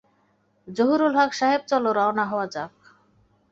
জহুরুল হক সাহেব, চল রওনা হওয়া যাক।